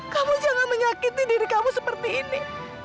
kamu jangan menyakiti diri kamu seperti ini